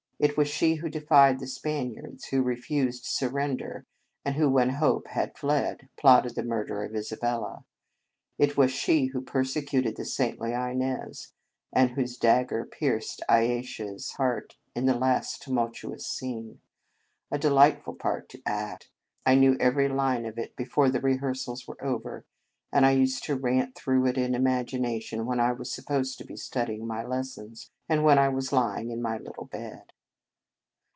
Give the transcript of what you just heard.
It was she who defied the Spaniards, who refused surrender, and who, when hope had fled, plotted the murder of Isabella. It was she who persecuted the saintly Inez, and whose dagger pierced Aye sha s heart in the last tumultuous scene. A delightful part to act! I knew every line of it before the rehearsals were over, and I used to rant through it in imagination when I was supposed to be studying my lessons, and when I was lying in my little bed.